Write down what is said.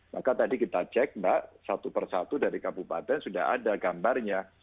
maka tadi kita cek mbak satu persatu dari kabupaten sudah ada gambarnya